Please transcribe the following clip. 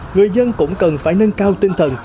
người dân cũng cần phải nâng cao tinh thần